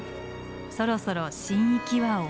そろそろ神域は終わり。